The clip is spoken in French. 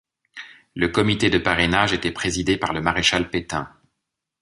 Le comité de parrainage était présidé par le maréchal Pétain.